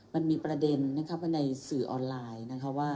มันมีประเด็นในศูออนไลน์